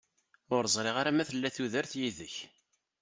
Ur ẓriɣ ara ma tella tudert yid-k.